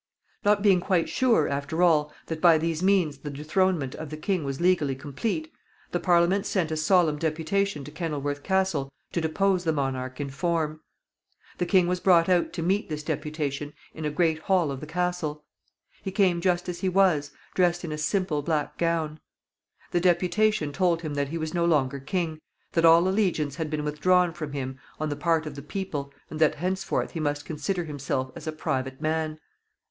Not being quite sure, after all, that by these means the dethronement of the king was legally complete, the Parliament sent a solemn deputation to Kenilworth Castle to depose the monarch in form. The king was brought out to meet this deputation in a great hall of the castle. He came just as he was, dressed in a simple black gown. The deputation told him that he was no longer king, that all allegiance had been withdrawn from him on the part of the people, and that henceforth he must consider himself as a private man.